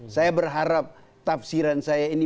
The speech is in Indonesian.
saya berharap tafsiran saya ini